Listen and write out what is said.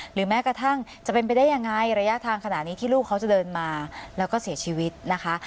แม้กระทั่งจะเป็นไปได้ยังไงระยะทางขนาดนี้ที่ลูกเขาจะเดินมาแล้วก็เสียชีวิตนะคะ